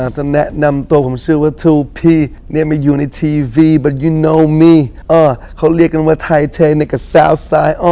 จะแนะนำตัวผมชื่อว่าถูพี่ไม่อยู่ในทีวีแค่เซาซ้าย